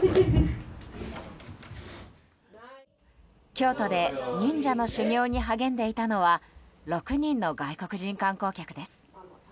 京都で忍者の修行に励んでいたのは６人の外国人観光客です。